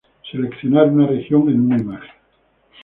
Seleccionar una región en una imagen.